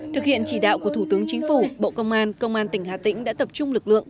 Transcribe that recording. thực hiện chỉ đạo của thủ tướng chính phủ bộ công an công an tỉnh hà tĩnh đã tập trung lực lượng